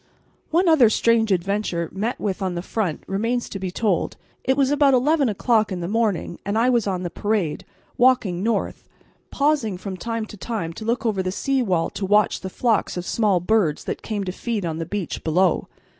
One other strange adventure met with on the front remains to be told. It was about eleven o'clock in the morning and I was on the parade, walking north, pausing from time to time to look over the sea wall to watch the flocks of small birds that came to feed on the beach below.